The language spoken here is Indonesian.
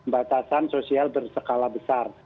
batasan sosial berskala besar